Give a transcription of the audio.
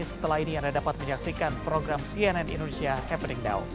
setelah ini anda dapat menyaksikan program cnn indonesia happening down